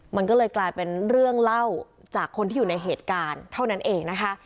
มันก็เลยกลายเป็นเรื่องเล่าจากคนที่อยู่ในเหตุการณ์เท่านั้นเองนะคะ